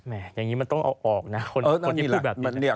อย่างนี้มันต้องเอาออกนะคนที่พูดแบบนี้